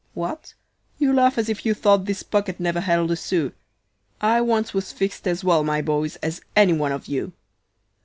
What? You laugh as if you thought this pocket never held a sou; I once was fixed as well, my boys, as any one of you.